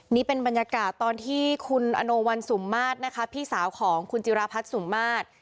นี่เป็นบรรยากาศตอนที่คุณอโนวันสุมมาตรนะคะพี่สาวของคุณจิราพัฒน์สุมมาตร